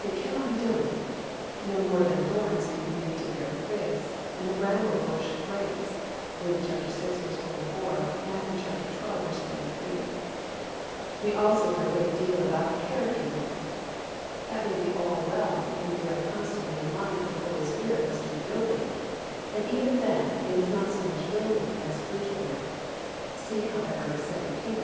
It cannot be done; no more than thorns can be made to bear figs and the bramble bush grapes (Luke vi. 44; Matt. xii. 33). We hear also a great deal about "character building." That may be all very well if you bear constantly in mind that the Holy Spirit must do the building, and even then it is not so much building as fruit bearing. (See, however, 2 Pet.